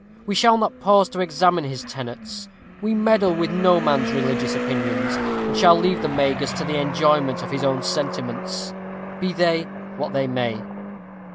We shall not pause to examine his tenets; we meddle with no man's religious opinions, and shall leave the Magus to the enjoyment of his own sentiments, be they what they may.